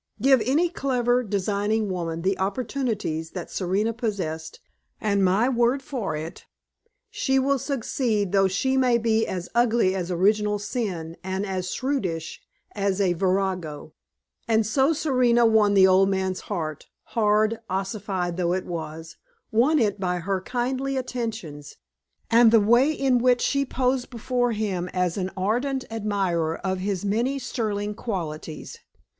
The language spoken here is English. Give any clever, designing woman the opportunities that Serena possessed, and my word for it, she will succeed though she be as ugly as original sin and as shrewish as a virago. And so Serena won the old man's heart, hard, ossified though it was won it by her kindly attentions, and the way in which she posed before him as an ardent admirer of his many sterling qualities.